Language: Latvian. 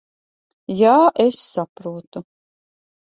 Jā, es saprotu.